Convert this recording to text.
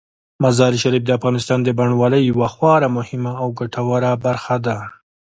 مزارشریف د افغانستان د بڼوالۍ یوه خورا مهمه او ګټوره برخه ده.